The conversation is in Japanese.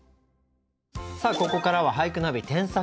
さあここからは「俳句ナビ添削コーナー」です。